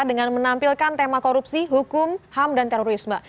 dengan menampilkan tema korupsi hukum ham dan terorisme